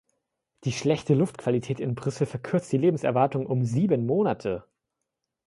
Die schlechte Luftqualität in Brüssel verkürzt die Lebenserwartung um sieben Monate.